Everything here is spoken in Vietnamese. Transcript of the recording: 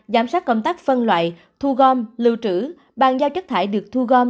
giám sát công tác phân loại thu gom lưu trữ bàn giao chất thải được thu gom